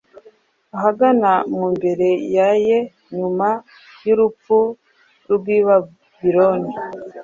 ahagana mumbere ya Yeu nyuma yurupfu rwa i Babiloni